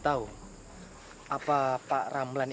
tak ada arrivéar teknis pas landef